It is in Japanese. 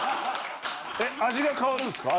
味が変わるんすか？